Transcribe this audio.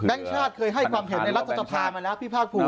ชาติเคยให้ความเห็นในรัฐสภามาแล้วพี่ภาคภูมิ